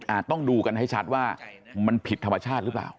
ต้องดูกันให้ชัดว่ามันผิดธรรมชาติหรือเปล่า